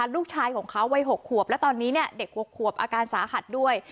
ลูกชายของเขาวัย๖ขวบและตอนนี้เด็ก๖ขวบอาการสาหัสด้วย